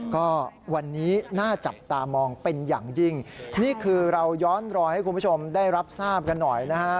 ก็วันนี้น่าจับตามองเป็นอย่างยิ่งนี่คือเราย้อนรอยให้คุณผู้ชมได้รับทราบกันหน่อยนะฮะ